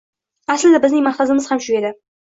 Aslida bizning maqsadimiz ham shu edi.